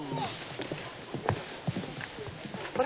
あれ？